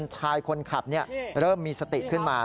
ชายคนขับเริ่มมีสติขึ้นมา